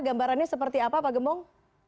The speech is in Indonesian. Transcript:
gambarannya seperti apa pak gembong